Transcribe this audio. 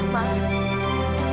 masih cantik banget